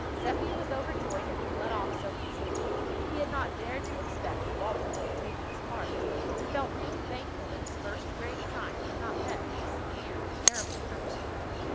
Seppi was overjoyed at being let off so easily. He had not dared to expect that Walter would have taken his part, and felt really thankful that his first great crime had not met with a severe and terrible punishment.